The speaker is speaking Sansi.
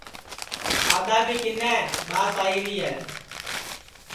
پادؔا بھی کِنے ٻاس آئیری ہے